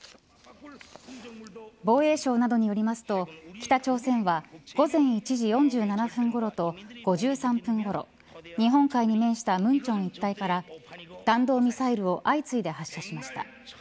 防衛省などによりますと北朝鮮は午前１時４７分ごろと５３分ごろ日本海に面した文川一帯から弾道ミサイルを相次いで発射しました。